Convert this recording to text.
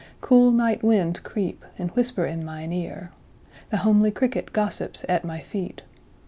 9Cool night winds creep, and whisper in mine ear.10The homely cricket gossips at my feet.